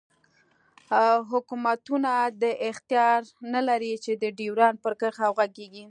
حوکمتونه دا اختیار نه لری چی د ډیورنډ پر کرښه وغږیږی